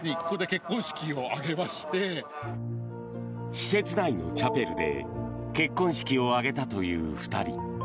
施設内のチャペルで結婚式を挙げたという２人。